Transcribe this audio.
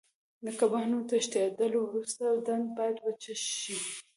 د کبانو د تښتېدلو وروسته ډنډ باید وچ شي.